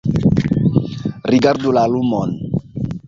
Rigardu la lumon